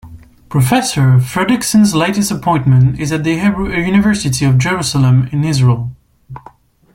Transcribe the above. Professor Fredriksen's latest appointment is at the Hebrew University of Jerusalem in Israel.